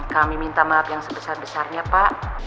kami minta maaf yang sebesar besarnya pak